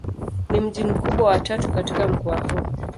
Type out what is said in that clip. Ni mji mkubwa wa tatu katika mkoa huu.